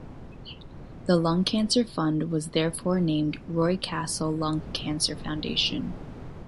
The Lung Cancer Fund was therefore renamed Roy Castle Lung Cancer Foundation.